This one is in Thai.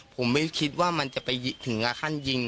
ผมไม่คิดว่ามันจะไปถึงกับขั้นยิง